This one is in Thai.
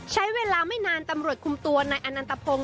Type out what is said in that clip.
ใช้เวลาไม่นานตำรวจคุมตัวนายอนันตพงศ